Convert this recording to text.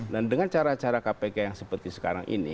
dan dengan cara cara kpk yang sempurna